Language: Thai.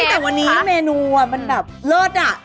แต่วันนี้เมนูมันแบบเลิศอ่ะ